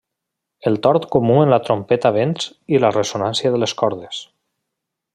El tord comú en la trompeta, vents, i la ressonància de les cordes.